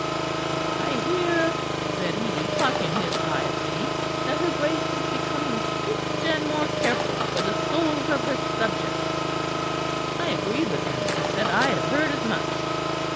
"'I hear,' said he, cocking his eye at me, 'that her Grace is becoming strict, and more careful for the souls of her subjects.' "I agreed with him, and said I had heard as much.